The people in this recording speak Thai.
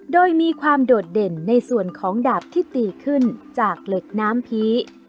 โดยมีความโดดเด่นในส่วนของดาบที่ตีขึ้นจากเหล็กน้ำผี